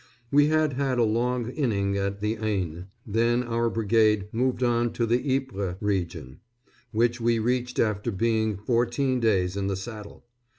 We had had a long inning at the Aisne, then our brigade moved on to the Ypres region, which we reached after being fourteen days in the saddle.